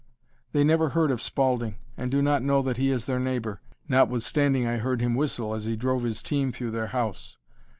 They never heard of Spaulding, and do not know that he is their neighbor, notwithstanding I heard him whistle as he drove his team through their house.